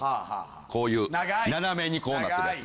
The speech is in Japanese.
こういう斜めにこうなってるやつ。